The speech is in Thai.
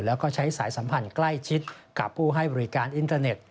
แล้วก็ใช้สายสัมพันธ์ใกล้ชิดกับผู้ให้บริการอินเทอร์เน็ต